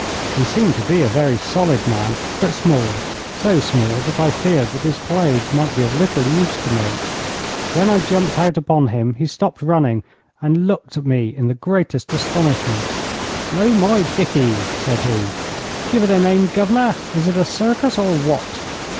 He seemed to be a very solid man but small so small that I feared that his clothes might be of little use to me. When I jumped out upon him he stopped running, and looked at me in the greatest astonishment. 'Blow my dickey,' said he, 'give it a name, guv'nor! Is it a circus, or what?'